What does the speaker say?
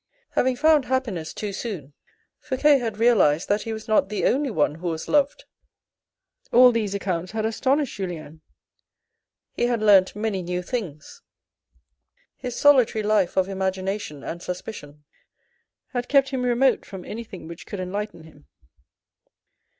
Having found happiness too soon, Fouque had realised that he was not the only one who was loved. All these accounts had astonished Julien. He had learnt many new things. His 8o THE RED AND THE BLACK solitary life of imagination and suspicion had kept him remote from anything which could enlighten him.